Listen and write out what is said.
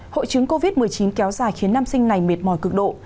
hội chứng covid một mươi chín kéo dài khiến nam sinh này mệt mỏi cực độ